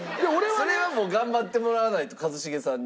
それは頑張ってもらわないと一茂さんに。